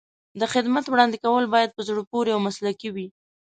د خدمت وړاندې کول باید په زړه پورې او مسلکي وي.